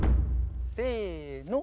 せの。